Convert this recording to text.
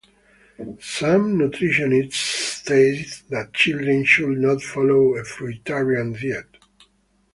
Some nutritionists state that children should not follow a fruitarian diet.